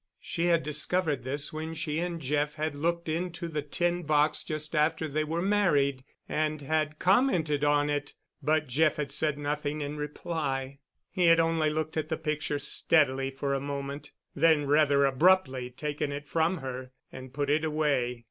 She had discovered this when she and Jeff had looked into the tin box just after they were married, and had commented on it, but Jeff had said nothing in reply. He had only looked at the picture steadily for a moment, then rather abruptly taken it from her and put it away.